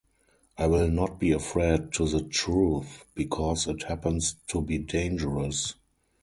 I will not be afraid of the truth because it happens to be dangerous.